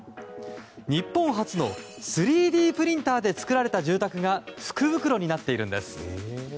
日本初の３Ｄプリンターで造られた住宅が福袋になっているんです。